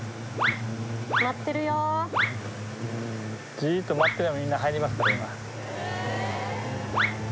じーっと待っていればみんな入りますから今。